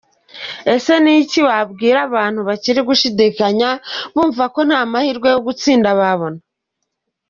Ese ni iki wabwira abantu bakiri gushidikanya bunva ko nta mahirwe yo gutsinda babona?.